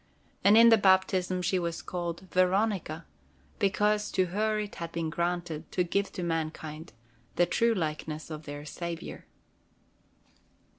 And in the baptism she was called Veronica, because to her it had been granted to give to mankind the true likeness of their Saviour.